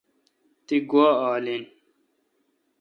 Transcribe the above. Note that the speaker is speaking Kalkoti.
تی گوا آل این